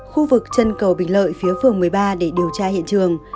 khu vực chân cầu bình lợi phía phường một mươi ba để điều tra hiện trường